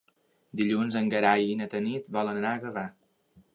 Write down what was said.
Dilluns en Gerai i na Tanit volen anar a Gavà.